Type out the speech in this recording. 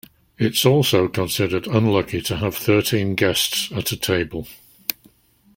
It's also considered unlucky to have thirteen guests at a table.